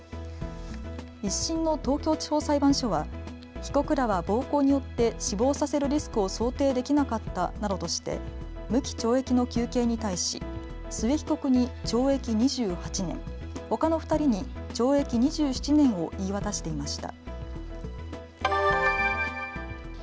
１審の東京地方裁判所は被告らは暴行によって死亡させるリスクを想定できなかったなどとして無期懲役の求刑に対し須江被告に懲役２８年、ほかの２人に懲役２７年を言い渡していました。